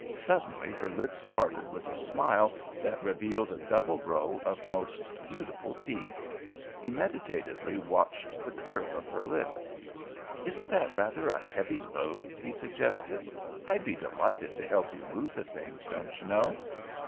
Suddenly her lips parted with a smile that revealed a double row of most beautiful teeth. He meditatively watched the curve of her lips. "Isn't that rather a heavy load?" he suggested. "I'd be delighted to help you move the things, don't you know."